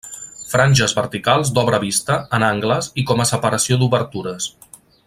Franges verticals d'obra vista en angles i com a separació d'obertures.